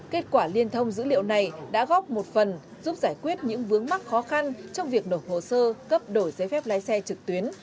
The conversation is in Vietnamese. kết quả liên thông dữ liệu này đã góp một phần giúp giải quyết những vướng mắc khó khăn trong việc nộp hồ sơ cấp đổi giấy phép lái xe trực tuyến